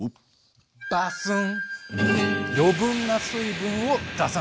バスン！